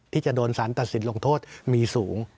ที่จะโดนสารตัดสินลงโทษมีสูง